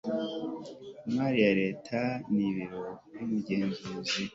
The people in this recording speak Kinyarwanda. imari ya leta n ibiro by umugenzuzi